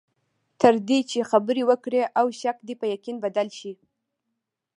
تر دې چې خبرې وکړې او د شک په یقین بدل شي.